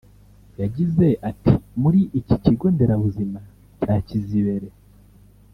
yagize ati “muri iki kigo nderabuzima cya Kizibere